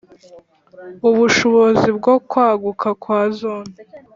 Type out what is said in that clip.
ubushobozi bwo kwaguka kwa Zone